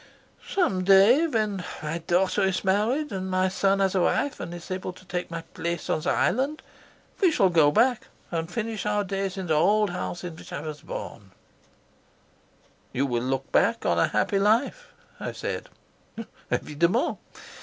"Some day, when my daughter is married and my son has a wife and is able to take my place on the island, we shall go back and finish our days in the old house in which I was born." "You will look back on a happy life," I said.